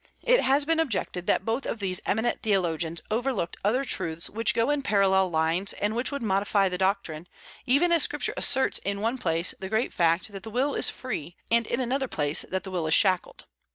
It has been objected that both of these eminent theologians overlooked other truths which go in parallel lines, and which would modify the doctrine, even as Scripture asserts in one place the great fact that the will is free, and in another place that the will is shackled.